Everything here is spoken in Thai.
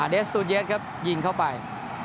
เดสตูเยสครับยิงเข้าไป